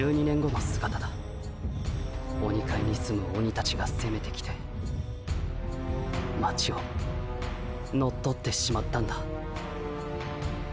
鬼界に住む鬼たちがせめてきて町を乗っ取ってしまったんだ。